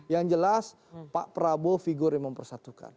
yang jelas pak prabowo figur yang mempersatukan